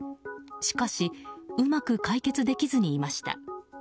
しかしうまく解決できずにいました。